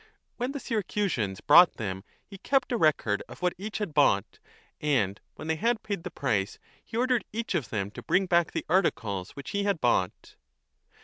When the Syracusans bought them, he kept a record of what each had bought, 5 and when they had paid the price, he ordered each of them to bring back the articles which he had bought.